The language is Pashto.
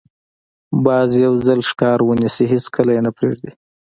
باز یو ځل ښکار ونیسي، هېڅکله یې نه پرېږدي